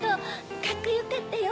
カッコよかったよ